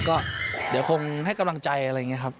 ก็เดี๋ยวคงให้กำลังใจอะไรอย่างนี้ครับ